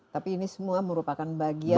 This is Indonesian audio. tapi ini semua merupakan bagian